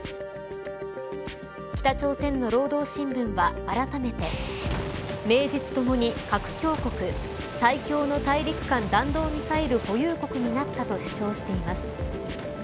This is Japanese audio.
北朝鮮の労働新聞は、あらためて名実ともに核強国最強の大陸間弾道ミサイル保有国になったと主張しています。